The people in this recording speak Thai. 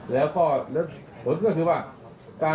แล้วก็การผลประชุมอย่างไร